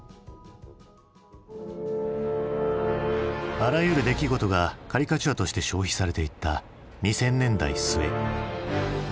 あらゆる出来事がカリカチュアとして消費されていった２０００年代末。